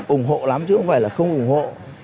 ủng hộ lắm chứ không phải là không ủng hộ